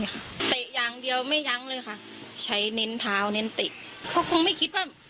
เตะอย่างเดียวไม่ยั้งเลยค่ะใช้เน้นเท้าเน้นเตะเขาคงไม่คิดว่า